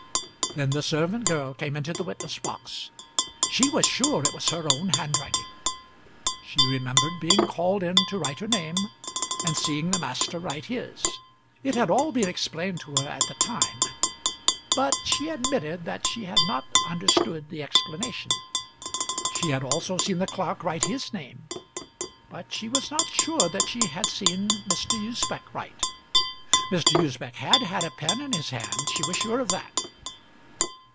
Then the servant girl came into the witness box. She was sure it was her own handwriting. She remembered being called in to write her name, and seeing the master write his. It had all been explained to her at the time, but she admitted that she had not understood the explanation. She had also seen the clerk write his name, but she was not sure that she had seen Mr. Usbech write. Mr. Usbech had had a pen in his hand; she was sure of that.